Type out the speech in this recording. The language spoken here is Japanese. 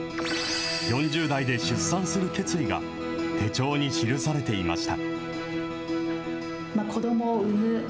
４０代で出産する決意が、手帳に記されていました。